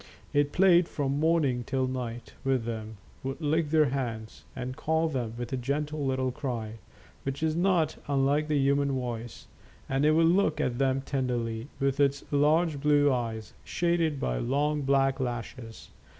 It played from morning till night with them, would lick their hands, and call them with a gentle little cry, which is not unlike the human voice, and it would look at them tenderly with its large blue eyes, shaded by long black lashes.